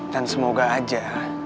dan semoga aja